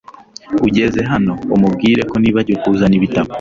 ageze hano, umubwire ko nibagiwe kuzana ibitabo